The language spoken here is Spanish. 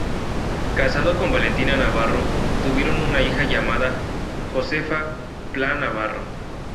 Casado con Valentina Navarro, tuvieron una hija llamada Josefa Pla Navarro.